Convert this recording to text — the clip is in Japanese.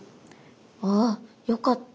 あよかった。